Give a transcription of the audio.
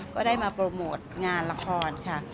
ก็ได้มาโปรโมทงานละครค่ะ